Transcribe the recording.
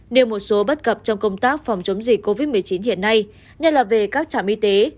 nêu một số bất cập trong công tác phòng chống dịch covid một mươi chín hiện nay nhất là về các trạm y tế